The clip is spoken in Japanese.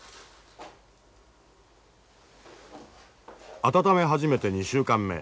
温め始めて２週間目。